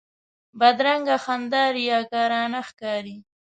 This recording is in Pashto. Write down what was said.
بدرنګه خندا ریاکارانه ښکاري